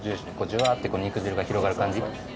じゅわっと肉汁が広がる感じ。